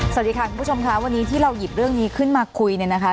สวัสดีค่ะคุณผู้ชมค่ะวันนี้ที่เราหยิบเรื่องนี้ขึ้นมาคุยเนี่ยนะคะ